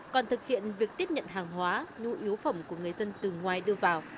còn thực hiện việc tiếp nhận hàng hóa nhu yếu phẩm của người dân từ ngoài đưa vào